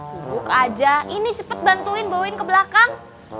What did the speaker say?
tubuhk aja ini cepet bantuin bawain ke belakang